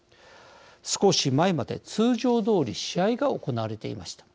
少し前まで通常どおり試合が行われていました。